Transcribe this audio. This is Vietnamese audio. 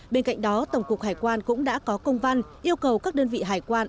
bên cạnh đó tổng cục hải quan cũng đã có công văn yêu cầu các đơn vị hải quan